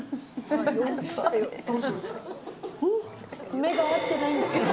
目が合ってないんだけど。